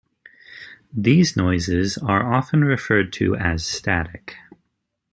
These noises are often referred to as static.